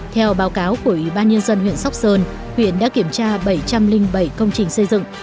theo báo cáo của ủy ban nhân dân huyện sóc sơn huyện đã kiểm tra bảy trăm linh bảy công trình xây dựng